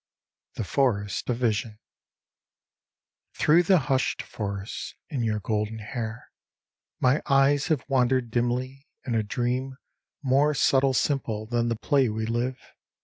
The Forest of Vision HPHROUGH the hushed forest in your golden i. hair My eyes have wandered dimly, in a dream More subtle simple than the play we live.